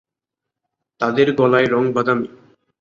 তাদের গলায় রং বাদামী।